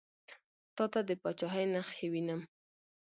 تاته د پاچهي نخښې وینم.